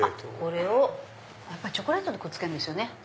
これをチョコレートでくっつけるんですよね。